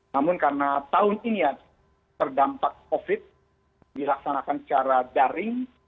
namun karena tahun ini ya terdampak covid dilaksanakan secara daring